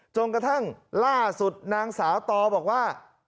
จนกระทั่งล่าสุดนางสาวตอบอกว่า